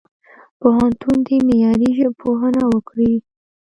پوهنتون دي معیاري ژبپوهنه وکړي.